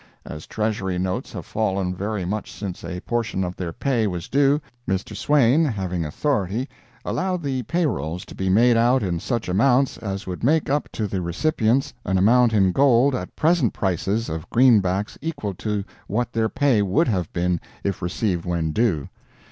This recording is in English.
As Treasury Notes have fallen very much since a portion of their pay was due, Mr. Swain, having authority, allowed the pay rolls to be made out in such amounts as would make up to the recipients an amount in gold at present prices of green backs equal to what their pay would have been if received when due.